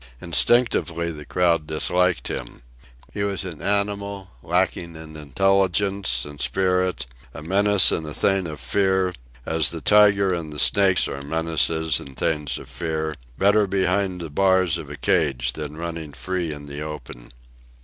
Instinctively the crowd disliked him. He was an animal, lacking in intelligence and spirit, a menace and a thing of fear, as the tiger and the snake are menaces and things of fear, better behind the bars of a cage than running free in the open.